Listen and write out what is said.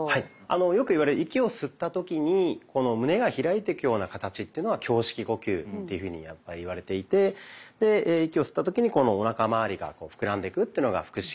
よくいわれる息を吸った時にこの胸が開いていくような形というのが胸式呼吸っていうふうにいわれていてで息を吸った時にこのおなかまわりがこう膨らんでいくというのが腹式呼吸なんです。